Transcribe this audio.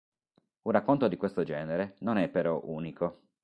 Un racconto di questo genere non è però unico.